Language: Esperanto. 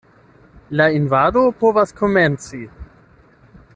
La invado povas komenci.